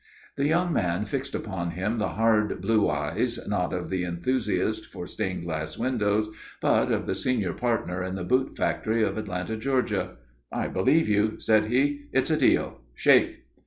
The young man fixed upon him the hard blue eyes, not of the enthusiast for stained glass windows, but of the senior partner in the boot factory of Atlanta, Georgia. "I believe you," said he. "It's a deal. Shake."